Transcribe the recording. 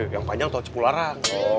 yang panjang tau cepularan